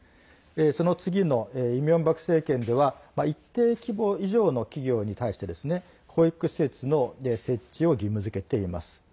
その次のイ・ミョンバク政権では一定規模以上の企業に対して保育施設の設置を義務付けています。